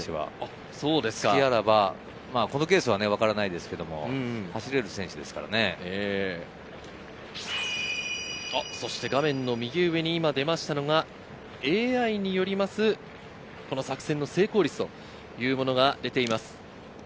隙あらばこのケースは分からないですけど、走れる画面の右上に今出ましたのがＡＩによります作戦の成功率というものです。